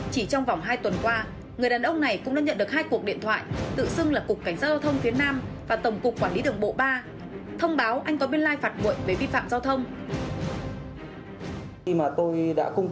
chỉ trong vòng hai tuần qua người đàn ông này cũng đã nhận được hai cuộc điện thoại tự xưng là cục cảnh sát giao thông phía nam và tổng cục quản lý đường bộ ba thông báo anh có biên lai phạt nguội về vi phạm giao thông